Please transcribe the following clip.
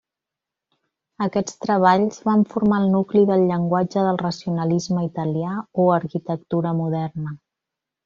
Aquests treballs van formar el nucli del llenguatge del racionalisme italià o arquitectura moderna.